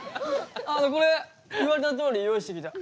あのこれ言われたとおり用意してきた。